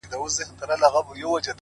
نو گراني تاته وايم،